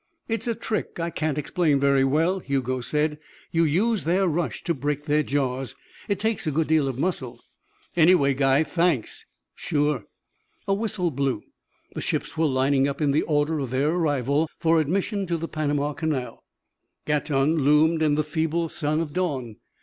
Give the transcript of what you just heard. "It's a trick I can't explain very well," Hugo said. "You use their rush to break their jaws. It takes a good deal of muscle." "Anyway guy thanks." "Sure." A whistle blew. The ships were lining up in the order of their arrival for admission to the Panama Canal. Gatun loomed in the feeble sun of dawn.